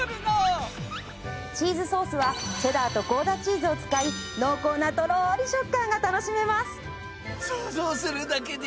チーズソースはチェダーとゴーダチーズを使い濃厚なとろり食感が楽しめます。